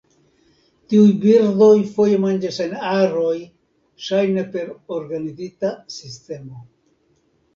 Tiuj birdoj foje manĝas en aroj, ŝajne per organizita sistemo.